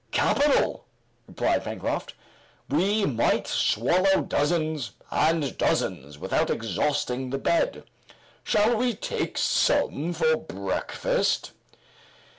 "Capital!" replied Pencroft. "We might swallow dozens and dozens without exhausting the bed. Shall we take some for breakfast?"